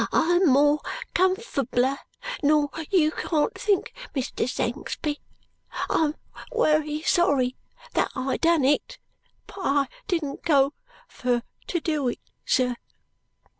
I'm more cumfbler nor you can't think. Mr. Sangsby! I'm wery sorry that I done it, but I didn't go fur to do it, sir."